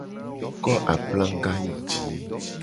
Ko aplaga yi ji :